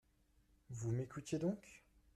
Vous m’écoutiez donc ?